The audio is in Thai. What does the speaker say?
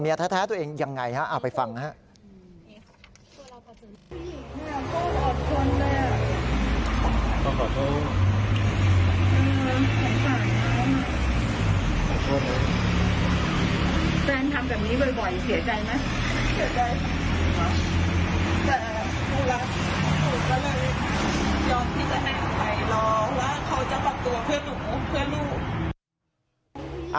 เมียแท้ตัวเองอย่างไรฮะเอาไปฟังฮะ